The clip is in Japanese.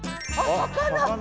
魚！